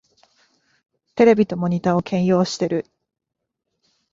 テレビとモニタを兼用してる